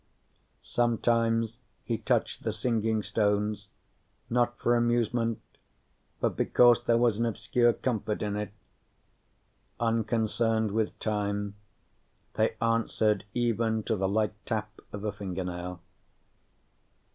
Sometimes he touched the singing stones, not for amusement, but because there was an obscure comfort in it. Unconcerned with time, they answered even to the light tap of a fingernail.